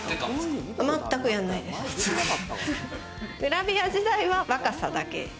グラビア時代は若さだけ。